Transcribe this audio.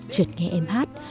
trượt nghe em hát